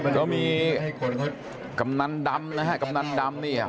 ก็มีกำนันดำนะฮะกำนันดำเนี่ย